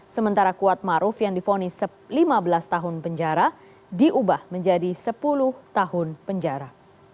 sementara kuat maruf yang difonis lima belas tahun penjara diubah menjadi sepuluh tahun penjara